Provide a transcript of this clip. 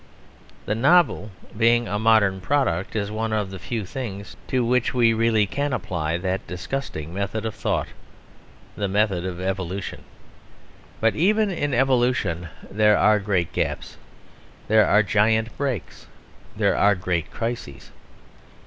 The novel being a modern product is one of the few things to which we really can apply that disgusting method of thought the method of evolution. But even in evolution there are great gaps, there are great breaks, there are great crises.